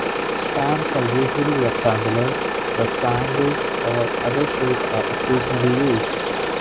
Stamps are usually rectangular, but triangles or other shapes are occasionally used.